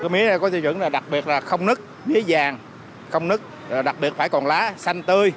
mía có tiêu chuẩn là đặc biệt là không nứt mía vàng không nứt đặc biệt phải còn lá xanh tươi